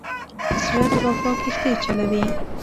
زړه د وفا کښتۍ چلوي.